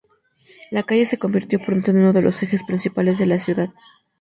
La calle se convirtió pronto en uno de los ejes principales de la ciudad.